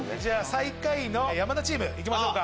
最下位の山田チーム行きましょうか。